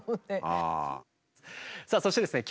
さあそしてですね